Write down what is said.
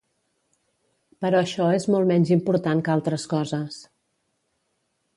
Però això és molt menys important que altres coses.